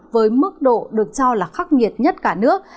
với mức độ được cho là khắc nghiệt nhất cả nước